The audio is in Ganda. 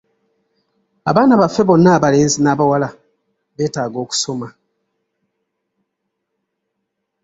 Abaana baffe bonna, abalenzi n'abawala beetaaga okusoma.